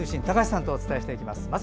高橋さんとお伝えしていきます。